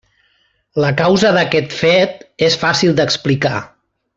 La causa d'aquest fet és fàcil d'explicar.